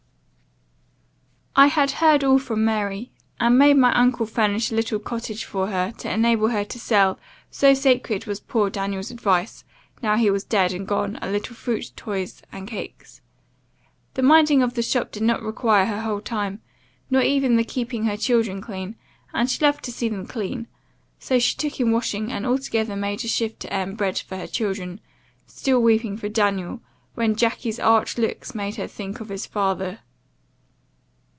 "I had heard all from Mary, and made my uncle furnish a little cottage for her, to enable her to sell so sacred was poor Daniel's advice, now he was dead and gone a little fruit, toys and cakes. The minding of the shop did not require her whole time, nor even the keeping her children clean, and she loved to see them clean; so she took in washing, and altogether made a shift to earn bread for her children, still weeping for Daniel, when Jacky's arch looks made her think of his father.